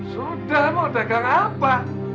sudah mau dagang apa